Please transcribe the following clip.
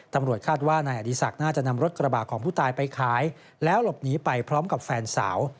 ตำรวจคาดว่านายอดีศักดิ์น่าจะนำรถกระบาดของผู้ตายไปขายแล้วหลบหนีไปพร้อมกับแฟนสาว